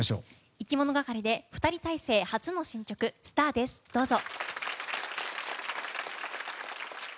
いきものがかりで２人体制初の新曲「ＳＴＡＲ」です、どうぞ。